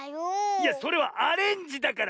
いやそれはアレンジだから！